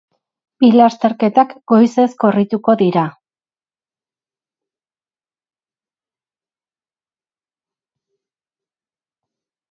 Bi lasterketak goizez korrituko dira.